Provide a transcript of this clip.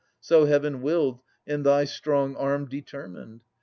So Heaven willed, and thy strong arm Determined.